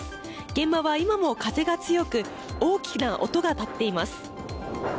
現場は今も風が強く大きな音が立っています。